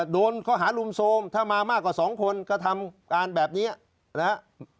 โดนข้อหารุมโทรมถ้ามามากกว่า๒คนกระทำการแบบนี้นะครับ